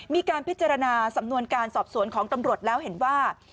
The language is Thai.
มีการพิจารณาสำนวนการสอบสวนของตำรวจแล้วเห็นว่า